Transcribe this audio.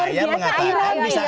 saya mengatakan bisa saja